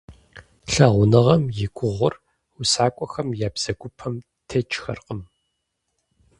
Лъагъуныгъэм и гугъур усакӀуэхэм я бзэгупэм текӀыххэркъым.